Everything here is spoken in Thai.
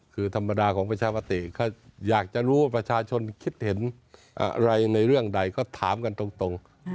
คือธรรมดาของประชาปติเขาอยากจะรู้ว่าประชาชนคิดเห็นอะไรในเรื่องใดก็ถามกันตรง